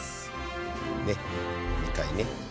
ねっ２回ね。